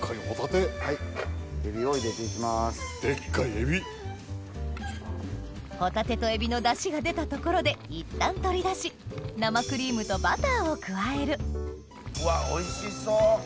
ホタテとエビのダシが出たところでいったん取り出し生クリームとバターを加えるうわおいしそ！